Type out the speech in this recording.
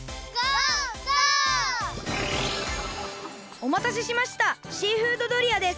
おまたせしましたシーフードドリアです！